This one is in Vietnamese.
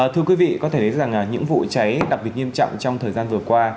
thưa quý vị có thể thấy rằng những vụ cháy đặc biệt nghiêm trọng trong thời gian vừa qua